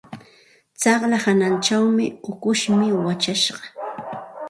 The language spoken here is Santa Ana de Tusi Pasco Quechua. Tsaqlla hanachaw ukushmi wachashqa.